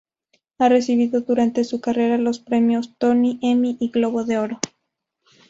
Ha recibido durante su carrera los premios Tony, Emmy y Globo de Oro.